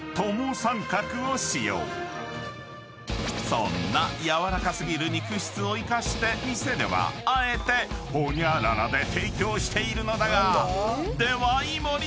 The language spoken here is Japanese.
［そんな柔らか過ぎる肉質を生かして店ではあえてホニャララで提供しているのだがでは井森さーん！